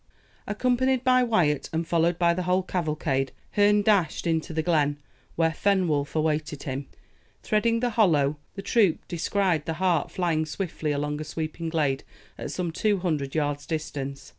Accompanied by Wyat, and followed by the whole cavalcade, Herne dashed into the glen, where Fenwolf awaited him. Threading the hollow, the troop descried the hart flying swiftly along a sweeping glade at some two hundred yards distance.